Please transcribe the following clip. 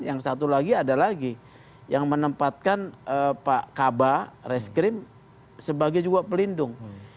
yang satu lagi ada lagi yang menempatkan pak kaba reskrim sebagai juga pelindung